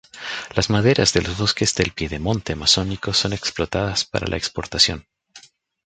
Las maderas de los bosques del piedemonte amazónico son explotadas para la exportación.